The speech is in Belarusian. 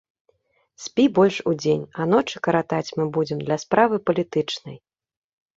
Спі больш удзень, а ночы каратаць мы будзем для справы палітычнай.